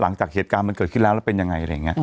หลังจากเหตุการณ์มันเกิดขึ้นแล้วแล้วเป็นยังไงอะไรอย่างนี้